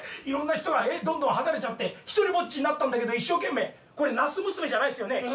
いろんな人がどんどん離れちゃって独りぼっちになったんだけど一生懸命これなす娘じゃないっすよね？」